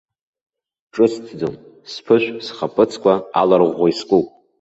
Ҿысҭӡом, сԥышә схаԥыцқәа аларӷәӷәа искуп.